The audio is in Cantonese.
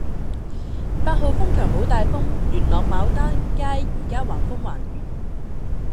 八號風球好大風，元朗牡丹街依家橫風橫雨